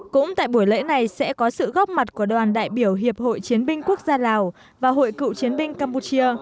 cũng tại buổi lễ này sẽ có sự góp mặt của đoàn đại biểu hiệp hội chiến binh quốc gia lào và hội cựu chiến binh campuchia